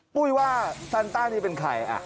ปุ้ยว่าซันต้านี่เป็นใคร